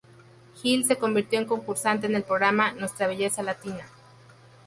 Gil se convirtió en concursante en el programa "Nuestra Belleza Latina".